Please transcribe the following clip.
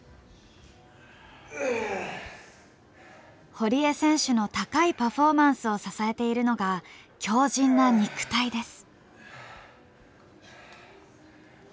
堀江選手の高いパフォーマンスを支えているのが強じんな肉体です。